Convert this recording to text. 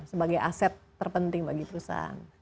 sebagai aset terpenting bagi perusahaan